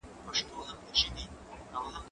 هغه وويل چي مرسته کول مهم دي؟